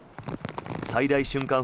最大瞬間